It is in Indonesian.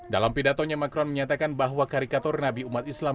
dalam pidatonya macron menyatakan bahwa karikatur nabi umat islam